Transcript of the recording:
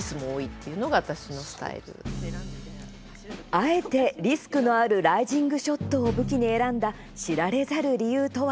あえてリスクのあるライジングショットを武器に選んだ知られざる理由とは？